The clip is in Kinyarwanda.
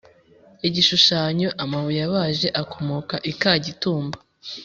Igishushanyo Amabuye abaje akomoka i Kagitumba